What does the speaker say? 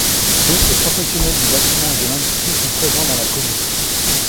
D'autres professionnels du bâtiment et de l'industrie sont présents dans la commune.